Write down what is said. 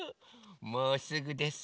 もうすぐですよ。